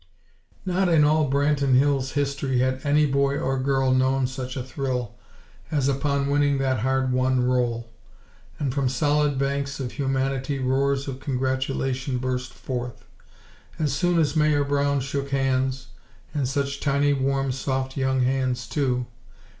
Not in all Branton Hills' history had any boy or girl known such a thrill as upon winning that hard won roll! And from solid banks of humanity roars of congratulation burst forth. As soon as Mayor Brown shook hands (and such tiny, warm, soft young hands, too!)